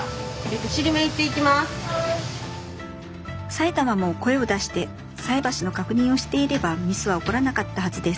埼玉も声を出して菜箸の確認をしていればミスは起こらなかったはずです。